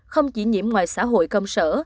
không chỉ nhiễm ngoài xã hội công sở